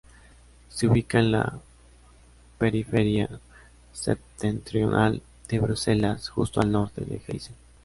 Se ubica en la periferia septentrional de Bruselas, justo al norte del Heysel.